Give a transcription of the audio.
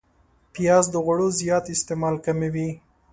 پیاز د غوړو زیات استعمال کموي